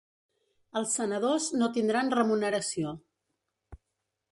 Els senadors no tindran remuneració.